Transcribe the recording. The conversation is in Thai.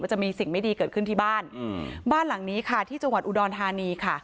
จะมีสิ่งไม่ดีเกิดขึ้นที่บ้านอืมบ้านหลังนี้ค่ะที่จังหวัดอุดรธานีค่ะ